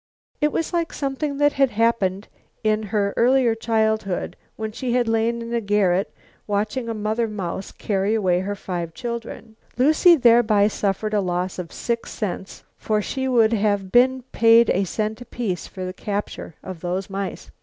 It was like something that had happened in her earlier childhood when she had lain in a garret watching a mother mouse carry away her five children, Lucile thereby suffering a loss of six cents, for she would have been paid a cent apiece for the capture of those mice.